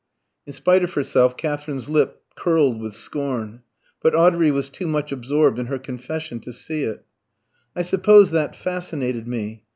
In spite of herself, Katherine's lip curled with scorn. But Audrey was too much absorbed in her confession to see it. "I suppose that fascinated me.